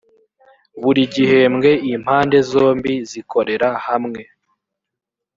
buri gihembwe impande zombi zikorera hamwe